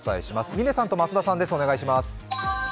嶺さんと増田さんです。